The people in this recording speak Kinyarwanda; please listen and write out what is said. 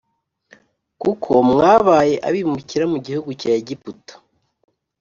kuko mwabaye abimukira mu gihugu cya Egiputa. “